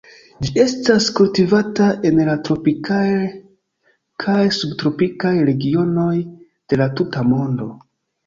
Ĝi estas kultivata en la tropikaj kaj subtropikaj regionoj de la tuta mondo.